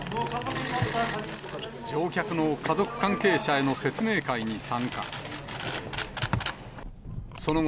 乗客の家族関係者への説明会に参加。